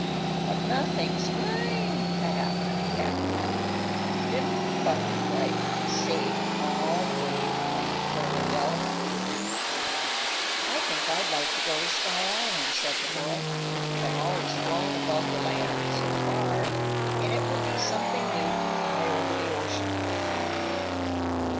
But nothing's goin' to happen, Cap'n. Didn't Button Bright come safe all the way from Philydelfy?" "I think I'd like to go to Sky Island," said the boy. "I've always flown above the land, so far, and it will be something new to fly over the ocean."